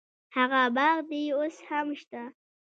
هغه باغ دې اوس هم شته.